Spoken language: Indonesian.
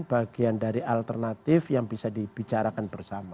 bagian dari alternatif yang bisa dibicarakan bersama